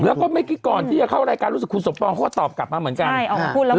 แล้วก็ไม่กี่ก่อนที่จะเข้ารายการรู้สึกคุณสมปรองเขาก็ตอบกลับมาเหมือนกัน